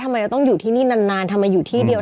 ทำงานครบ๒๐ปีได้เงินชดเฉยเลิกจ้างไม่น้อยกว่า๔๐๐วัน